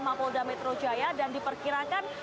mapolda metro jaya dan diperkirakan